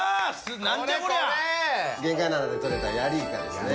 玄界灘で獲れたヤリイカですね。